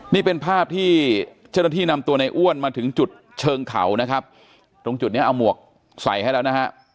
นี่เป็นภาพที่เจ้าหน้าที่นำตัวในอ้วนมาถึงจุดเชิงเขานะครับตรงจุดนี้เอาหมวกใส่ให้แล้วนะฮะ